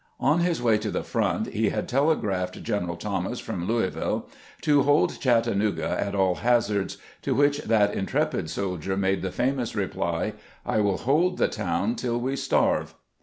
On his way to the front he had telegraphed G eneral Thomas, from Louisville, to hold Chattanooga at all hazards, to which that intrepid sol dier made the famous reply, "I will hold the town tUl we starve."